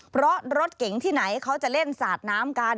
เพราะรถเก๋งที่ไหนเขาจะเล่นสาดน้ำกัน